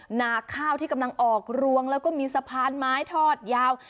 หนาข้าวที่กำลังออกรวงแล้วก็มีสะพานไม้ทอดยาว